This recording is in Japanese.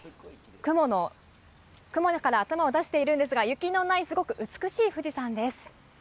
雲から頭を出しているんですが雪のない、すごく美しい富士山です